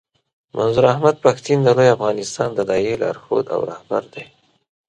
منظور احمد پښتين د لوی افغانستان د داعیې لارښود او رهبر دی.